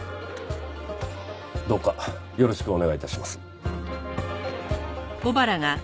どうかよろしくお願い致します。